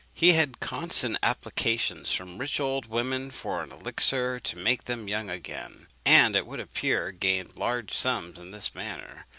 He had constant applications from rich old women for an elixir to make them young again, and it would appear gained large sums in this manner.